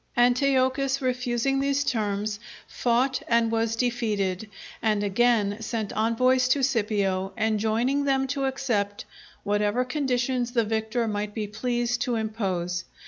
Antiochus refusing these terms, fought and was defeated, and again sent envoys to Scipio, enjoining them to accept whatever conditions the victor might be pleased to impose.